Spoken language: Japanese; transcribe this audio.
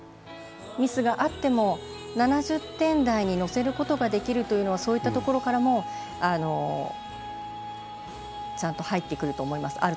ミスがあっても、７０点台に乗せることができるというのはそういったところからもちゃんと入ってくると思います。